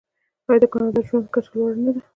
آیا د کاناډا ژوند کچه لوړه نه ده؟